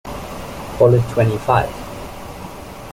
Call it twenty-five.